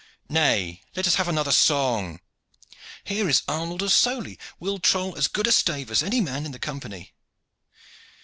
"Nay, let us have another song." "Here is Arnold of Sowley will troll as good a stave as any man in the Company."